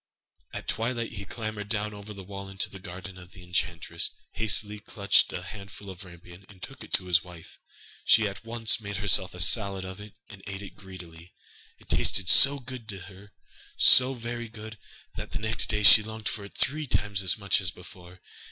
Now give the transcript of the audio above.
At twilight, he clambered down over the wall into the garden of the enchantress, hastily clutched a handful of rampion, and took it to his wife. She at once made herself a salad of it, and ate it greedily. It tasted so good to her so very good, that the next day she longed for it three times as much as before.